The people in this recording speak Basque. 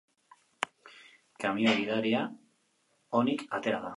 Kamioi gidaria onik atera da.